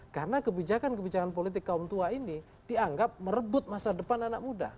karena kebijakan kebijakan politik kaum tua ini dianggap merebut masa depan anak muda